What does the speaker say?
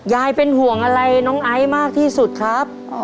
เป็นห่วงอะไรน้องไอซ์มากที่สุดครับ